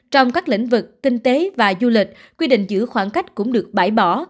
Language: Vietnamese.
trong các lĩnh vực kinh tế và du lịch quy định giữ khoảng cách cũng được bãi bỏ